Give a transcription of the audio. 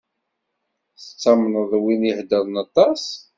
Tettamneḍ win i iheddṛen aṭas?